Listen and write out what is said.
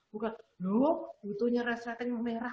bukan loh butuhnya restrikting merah